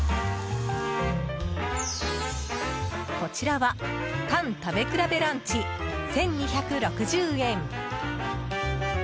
こちらはタン食べ比べランチ、１２６０円。